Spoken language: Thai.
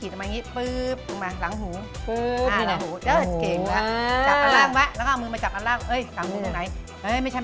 ดูนะ